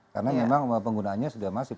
karena memang penggunaannya sudah masih